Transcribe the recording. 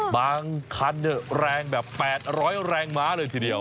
บางคันแรงแบบ๘๐๐แรงม้าเลยทีเดียว